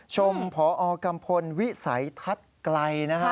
ชมพอกรรมคนวิสัยทัศน์ไกล